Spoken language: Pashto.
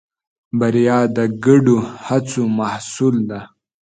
بریا د ګډو هڅو محصول ده.